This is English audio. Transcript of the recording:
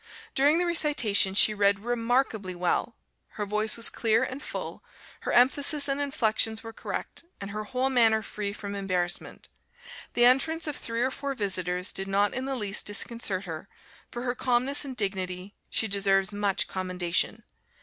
During the recitation she read remarkably well; her voice was clear and full, her emphasis and inflections were correct, and her whole manner free from embarrassment. The entrance of three or four visitors did not in the least disconcert her; for her calmness and dignity, she deserves much commendation.